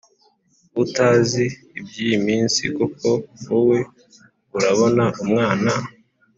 utazi ibyiyiminsi koko wowe urabona umwana